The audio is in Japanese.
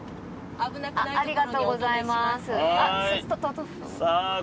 ありがとうございます。